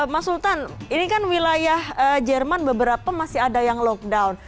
mas sultan ini kan wilayah jerman beberapa masih ada yang lockdown